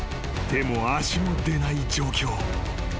［手も足も出ない状況］